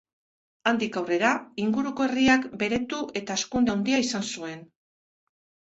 Handik aurrera, inguruko herriak beretu eta hazkunde handia izan zuen.